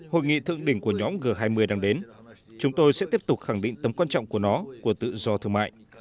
hội nghị thượng đỉnh của nhóm g hai mươi đang đến chúng tôi sẽ tiếp tục khẳng định tầm quan trọng của nó của tự do thương mại